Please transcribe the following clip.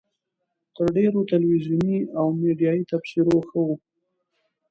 تر ډېرو تلویزیوني او میډیایي تبصرو ښه وه.